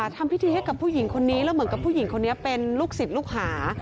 ทำพิธีให้กับผู้หญิงคนนี้แล้วเหมือนกับผู้หญิงคนนี้เป็นลูกศิษย์ลูกหา